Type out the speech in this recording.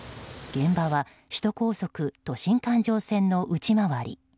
現場は首都高速都心環状線の内回り。